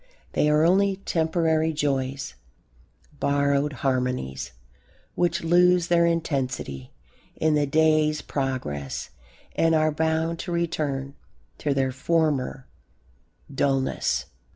they are only temporary joys, borrowed harmonies, which lose their intensity in the day's progress and are bound to return to their former dulness.